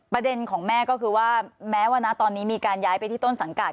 ประเด็นของแม่ก็คือว่าแม้ว่านะตอนนี้มีการย้ายไปที่ต้นสังกัด